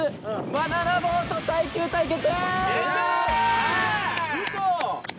バナナボート耐久って。